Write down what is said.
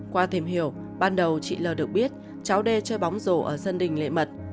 qua tìm hiểu ban đầu chị lan được biết cháu d chơi bóng rổ ở sân đình lệ mật